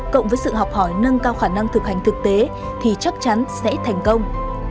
cộng với sự học hỏi nâng cao khả năng thực hành thực tế thì chắc chắn sẽ thành công